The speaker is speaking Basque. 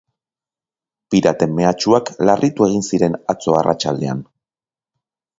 Piraten mehatxuak larritu egin ziren atzo arratsaldean.